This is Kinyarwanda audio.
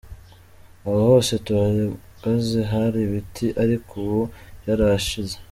Aha hose duhagaze hari ibiti ariko ubu byarahashije.